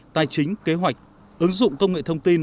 tài chính kế hoạch ứng dụng công nghệ thông tin